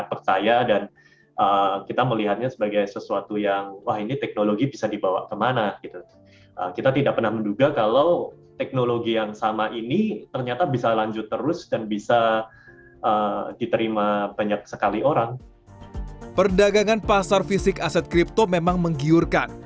perdagangan pasar fisik aset kripto memang menggiurkan